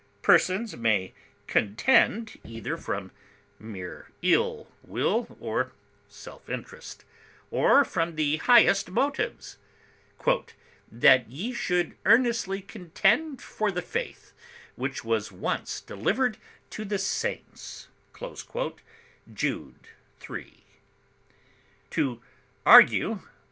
Persons may contend either from mere ill will or self interest, or from the highest motives; "That ye should earnestly contend for the faith which was once delivered to the saints," Jude 3. To argue (L.